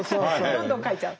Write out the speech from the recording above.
どんどん書いちゃう。